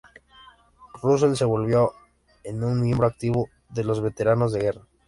Russell se volvió en un miembro activo de los veteranos de guerra.